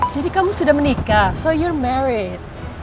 jadi kamu sudah menikah so you're married